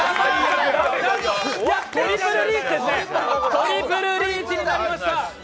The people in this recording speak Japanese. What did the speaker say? トリプルリーチになりました！